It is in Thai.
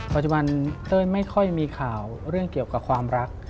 ปัจจุบันเต้ยไม่ค่อยมีข่าวเรื่องเกี่ยวกับความรัก